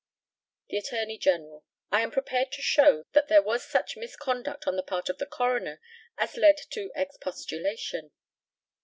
The ATTORNEY GENERAL: I am prepared to show that there was such misconduct on the part of the coroner as led to expostulation.